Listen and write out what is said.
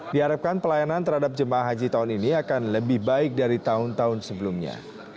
diharapkan pelayanan terhadap jemaah haji tahun ini akan lebih baik dari tahun tahun sebelumnya